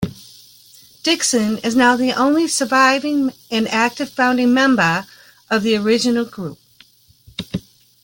Dixon is now the only surviving, and active, founding member of the original group.